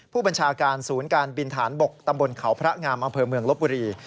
ผู้บัญชาการศูนย์การบินฐานบกตำบลเขาพระงามอำเภอเมืองลบบุรี